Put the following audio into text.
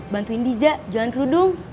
bantuin diza jalan kerudung